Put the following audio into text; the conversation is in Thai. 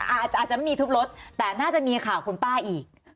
อาจจะไม่มีทุบรถแต่น่าจะมีข่าวคุณป้าอีก